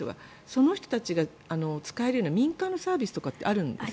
その人たちが使えるような民間のサービスとかってありますか。